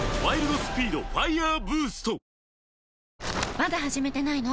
まだ始めてないの？